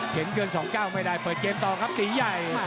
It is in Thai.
เข็นเกิน๒เก้าไม่ได้เปิดเกมต่อครับตีใหญ่